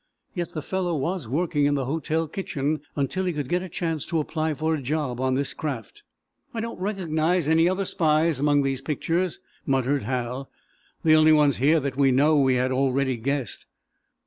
"Yet the fellow was working in the hotel kitchen until he could get a chance to apply for a job on this craft." "I don't recognize any other spies among these pictures," muttered Hal. "The only ones here that we know we had already guessed."